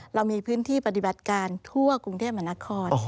เรามีพื้นที่ปฏิบัติการทั่วกรุงเทพมหานคร